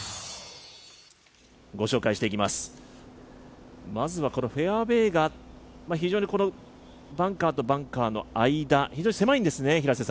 ご紹介していきます、まずはフェアウエーが非常にバンカーとバンカーの間、非常に狭いんですね。